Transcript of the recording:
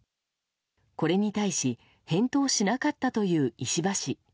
これに対し返答しなかったという石破氏。